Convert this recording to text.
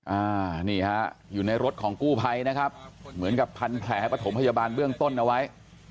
อ่านี่ฮะอยู่ในรถของกู้ภัยนะครับเหมือนกับพันแผลปฐมพยาบาลเบื้องต้นเอาไว้